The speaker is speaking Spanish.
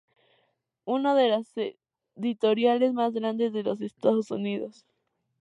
Una de las editoriales más grandes de los Estados Unidos.